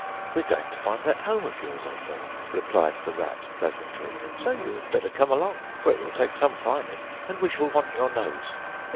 "We're going to find that home of yours, old fellow," replied the Rat pleasantly; "so you had better come along, for it will take some finding, and we shall want your nose."